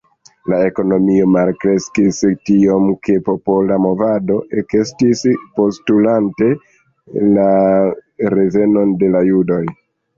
La ekonomio malkreskis tiom ke popola movado ekestis postulante la revenon de la judoj.